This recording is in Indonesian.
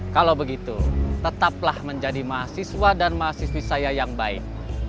kalau begitu tetaplah menjadi mahasiswa dan mahasiswi saya yang baik